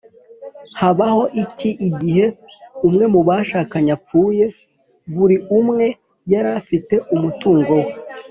habaho iki igihe umwe mu bashakanye apfuye, buri umwe yarafite umutungo we?